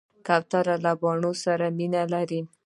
کوتره له بڼو سره مینه لري.